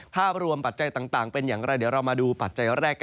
ภาพรวมปัจจัยต่างเป็นอย่างไรเดี๋ยวเรามาดูปัจจัยแรก